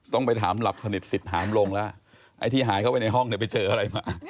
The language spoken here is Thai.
ต้องไปถามหลับสนิทสิทธิหามลงแล้วไอ้ที่หายเข้าไปในห้องเนี่ยไปเจออะไรมา